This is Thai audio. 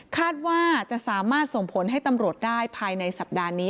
คาดว่าจะสามารถส่งผลให้ตำรวจได้ภายในสัปดาห์นี้